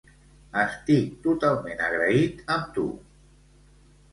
Estic totalment agraït amb tu.